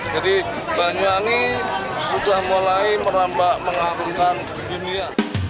jadi banyuwangi sudah mulai merambak mengarungkan dunia